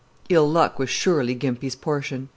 Ill luck was surely Gimpy's portion.